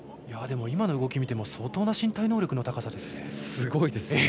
今の動き見ても相当な身体能力の高さですね。